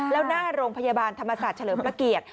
แล้วหน้าโรงพยาบาลธรรมศาสตร์เฉลิมพระเกียรติ